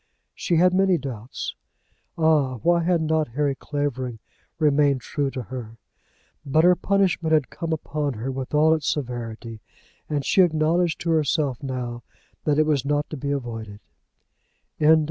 She had many doubts. Ah! why had not Harry Clavering remained true to her? But her punishment had come upon her with all its severity, and she acknowledged to herself now that it was not to be avoided.